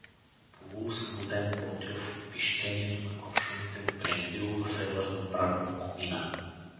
Полуосвободен Ботйов, пищението на куршумите го принудило да се върне обратно в комина.